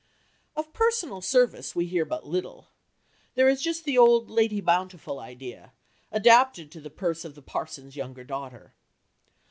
Of personal service we hear but little. There is just the old "Lady Bountiful" idea, adapted to the purse of the parson's younger daughter.